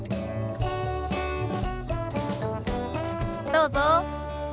どうぞ。